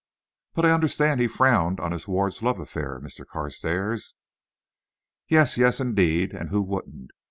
"But I understand he frowned on his ward's love affair, Mr. Carstairs." "Yes; yes, indeed. And who wouldn't?